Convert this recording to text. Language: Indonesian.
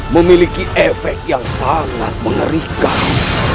memiliki efek yang sangat mengerikan